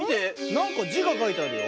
なんかじがかいてあるよ。